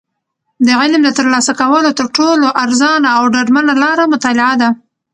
د علم د ترلاسه کولو تر ټولو ارزانه او ډاډمنه لاره مطالعه ده.